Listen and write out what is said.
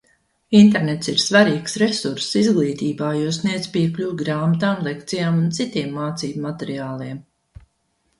Internets ir svarīgs resurss izglītībā, jo sniedz piekļuvi grāmatām, lekcijām un citiem mācību materiāliem.